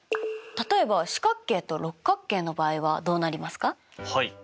例えば四角形と六角形の場合はどうなりますか？